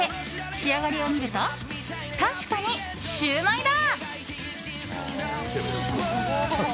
仕上がりを見ると確かにシューマイだ。